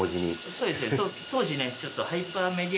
そうですね当時ねちょっと。